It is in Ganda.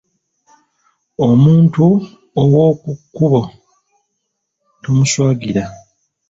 Omuntu ow'oku kkubo tomuswagira.